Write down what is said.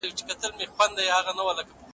د بهرنیو پالیسي ارزونه په منظم ډول نه کېږي.